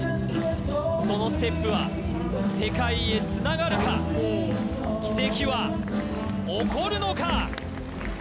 そのステップは世界へつながるか奇跡は起こるのか